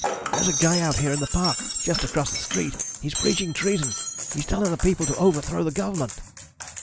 "There's a guy out here in the park, just across the street. He's preaching treason. He's telling the people to overthrow the government."